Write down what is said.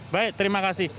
baik terima kasih